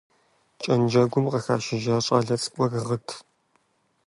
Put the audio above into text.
Кӏэнджэгум къыхашыжа щӏалэ цӏыкӏур гъырт.